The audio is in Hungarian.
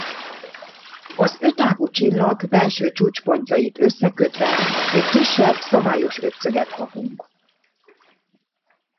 Az ötágú csillag belső csúcspontjait összekötve egy kisebb szabályos ötszöget kapunk.